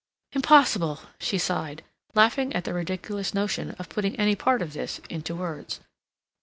"Impossible," she sighed, laughing at the ridiculous notion of putting any part of this into words.